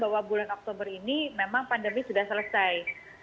bahwa bulan oktober ini memang pandemi sudah selesai